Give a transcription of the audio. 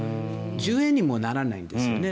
１０円にもならないんですよね。